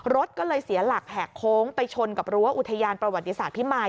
รถก็เลยเสียหลักแหกโค้งไปชนกับรั้วอุทยานประวัติศาสตร์พิมาย